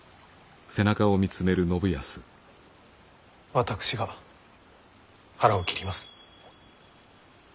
私が腹を切ります。